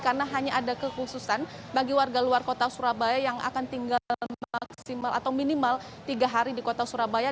karena hanya ada kekhususan bagi warga luar kota surabaya yang akan tinggal maksimal atau minimal tiga hari di kota surabaya